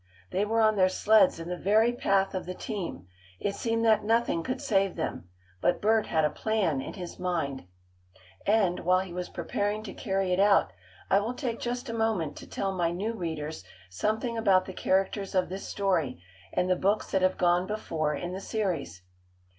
They were on their sleds in the very path of the team. It seemed that nothing could save them. But Bert had a plan in his mind. And, while he was preparing to carry it out, I will take just a moment to tell my new readers something about the characters of this story, and the books that have gone before in the series.